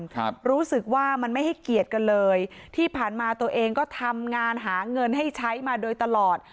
ครับรู้สึกว่ามันไม่ให้เกียรติกันเลยที่ผ่านมาตัวเองก็ทำงานหาเงินให้ใช้มาโดยตลอด